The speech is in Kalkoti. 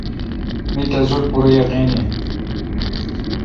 می تس رل پورہ یقین این۔